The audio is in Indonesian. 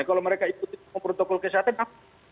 nah kalau mereka ikuti semua protokol kejahatan apa